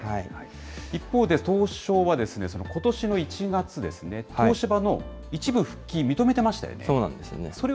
一方で、東証は、ことしの１月ですね、東芝の１部復帰、認めていそうなんですよね。